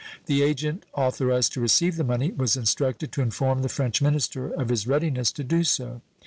The agent authorized to receive the money was instructed to inform the French minister of his readiness to do so.